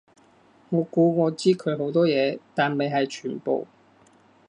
我估我知佢好多嘢，但未係全部